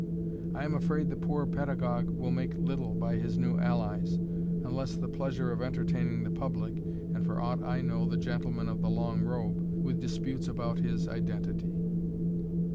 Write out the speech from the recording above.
I am afraid the poor pedagogue will make little by his new allies, unless the pleasure of entertaining the public, and, for aught I know, the gentlemen of the long robe, with disputes about his identity.